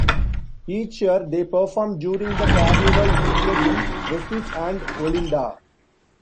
Each year they perform during the Carnival period in Recife and Olinda.